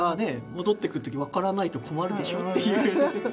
戻ってくる時分からないと困るでしょっていう。